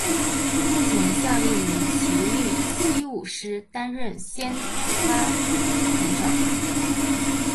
目前效力于崎玉西武狮担任先发投手。